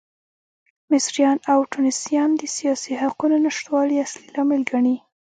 مصریان او ټونسیان د سیاسي حقونو نشتوالی اصلي لامل ګڼي.